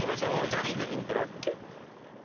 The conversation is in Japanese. ジャニーズイントロＱ！